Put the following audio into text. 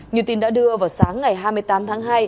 như tin đã đưa vào sáng ngày hai mươi tám tháng hai